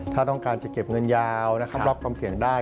ถ้าต้องการจะเก็บเงินยาวนะครับรับความเสี่ยงได้